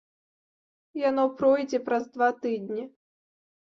Яно пройдзе праз два тыдні.